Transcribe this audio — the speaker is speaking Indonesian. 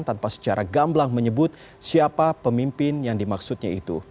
tanpa secara gamblang menyebut siapa pemimpin yang dimaksudnya itu